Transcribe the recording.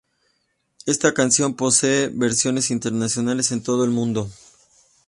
Esta canción posee versiones internacionales de todo el mundo.